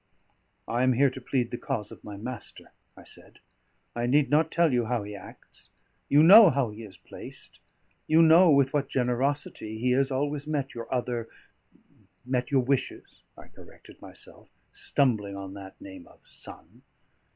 "I am here to plead the cause of my master," I said. "I need not tell you how he acts. You know how he is placed. You know with what generosity he has always met your other met your wishes," I corrected myself, stumbling at that name of son.